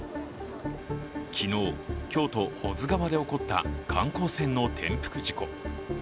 昨日、京都・保津川で起こった観光船の転覆事故。